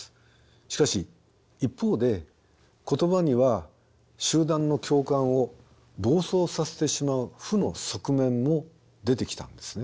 しかし一方で言葉には集団の共感を暴走させてしまう負の側面も出てきたんですね。